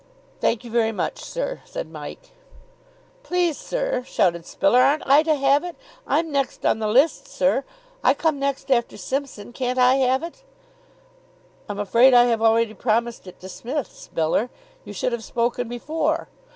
"Thank you very much, sir," said Mike. "Please, sir," shouted Spiller, "aren't I to have it? I'm next on the list, sir. I come next after Simpson. Can't I have it?" "I'm afraid I have already promised it to Smith, Spiller. You should have spoken before."